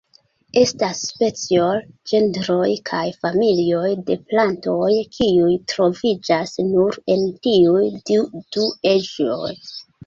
Estas specioj, genroj, kaj familioj de plantoj kiuj troviĝas nur en tiuj du ejoj.